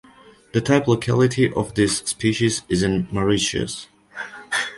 The type locality of this species is in Mauritius.